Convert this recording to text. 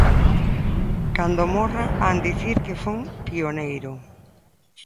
Cando morra han dicir que fun pioneiro.